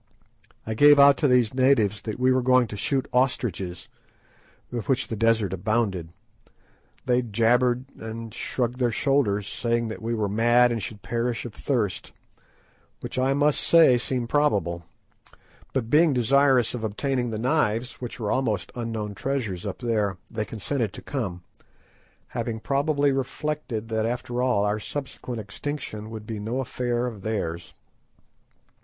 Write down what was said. I gave out to these natives that we were going to shoot ostriches, with which the desert abounded. They jabbered and shrugged their shoulders, saying that we were mad and should perish of thirst, which I must say seemed probable; but being desirous of obtaining the knives, which were almost unknown treasures up there, they consented to come, having probably reflected that, after all, our subsequent extinction would be no affair of theirs.